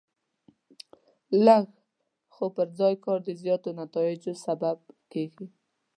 لږ خو پر ځای کار د زیاتو نتایجو سبب کېږي.